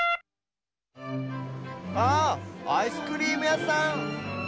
ああアイスクリームやさん。